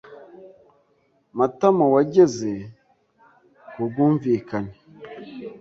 Matamawageze ku bwumvikane.